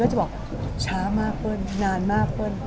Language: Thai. ก็จะบอกช้ามากเพิ่งนานมากเพิ่ง